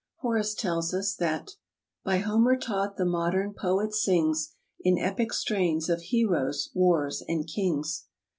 Horace tells us that By Homer taught the modern poet sings In epic strains of heroes, wars and kings.